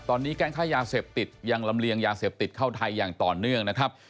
ตอนนี้แก๊งค้ายาเสพติดยังลำเลียงยาเสพติดเข้าไทยอย่างต่อเนื่องนะครับ